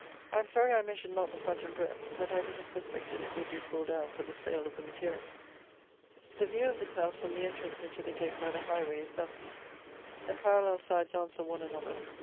] I am sorry I measured not the front and breadth; but I little suspected it would be pulled downe for the sale of the materialls. The view of this howse from the entrance into the gate by the high way is thus. The parallel sides answer one another.